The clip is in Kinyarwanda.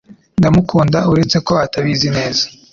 Ndamukunda uretse ko atabizi neza